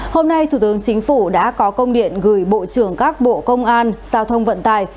hôm nay thủ tướng chính phủ đã có công điện gửi bộ trưởng các bộ công an giao thông vận tài